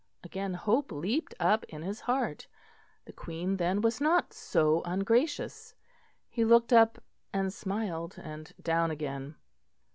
Again hope leapt up in his heart. The Queen then was not so ungracious. He looked up and smiled and down again.